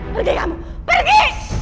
pergi kamu pergi